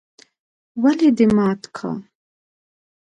ولې دي مات که؟؟